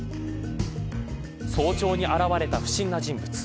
早朝に現れた不審な人物。